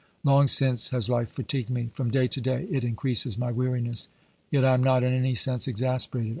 Long since has life fatigued me ; from day to day it in creases my weariness ; yet I am not in any sense exasperated.